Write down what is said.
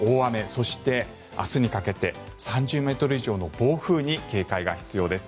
そして、明日にかけて３０ｍ以上の暴風に警戒が必要です。